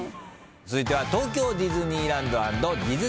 続いては東京ディズニーランド＆ディズニーシー。